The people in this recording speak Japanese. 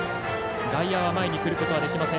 外野は前にくることはできません。